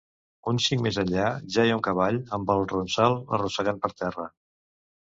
Un xic més enllà, jeia un cavall, amb el ronsal arrossegant per terra…